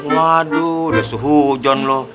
waduh udah sehujun lu